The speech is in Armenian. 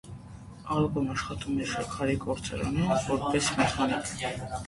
Ալդոն աշխատում է շաքարի գործարանում՝ որպես մեխանիկ։